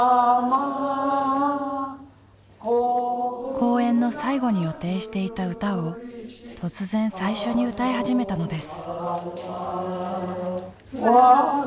講演の最後に予定していた歌を突然最初に歌い始めたのです。